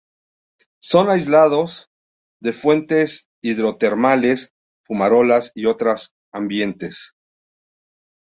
Son aislados de fuentes hidrotermales, fumarolas y otras ambientes.